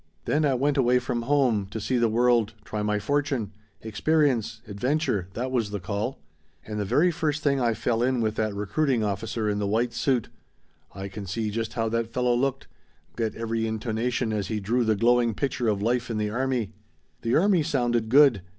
"Then I went away from home. To see the world. Try my fortune. Experience. Adventure. That was the call. "And the very first thing I fell in with that recruiting officer in the white suit. I can see just how that fellow looked. Get every intonation as he drew the glowing picture of life in the army. "The army sounded good.